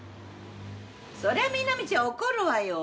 そりゃ南ちゃん怒るわよ。